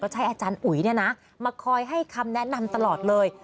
ใช้อาจารย์อุ๋ยมาคอยให้คำแนะนำตลอดเลย